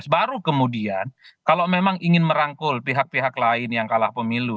baru kemudian kalau memang ingin merangkul pihak pihak lain yang kalah pemilu